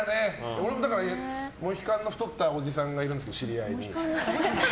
俺もモヒカンの太ったおじさんがいるんですけど知り合いに。